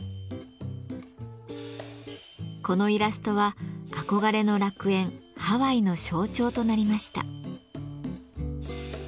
このイラストは憧れの楽園ハワイの象徴となりました。